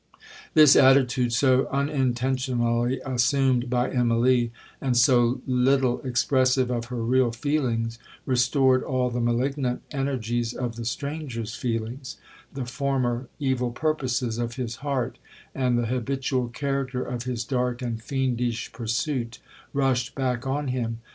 'This attitude, so unintentionally assumed by Immalee, and so little expressive of her real feelings, restored all the malignant energies of the stranger's feelings; the former evil purposes of his heart, and the habitual character of his dark and fiendish pursuit, rushed back on him.